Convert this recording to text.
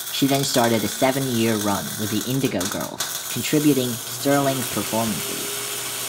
She then started a seven-year run with the Indigo Girls, contributing "sterling performances".